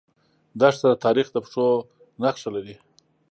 دښته د تاریخ د پښو نخښه لري.